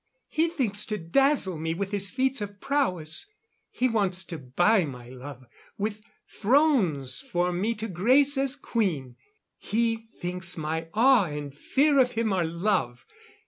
He thinks to dazzle me with his feats of prowess. He wants to buy my love with thrones for me to grace as queen. He thinks my awe and fear of him are love.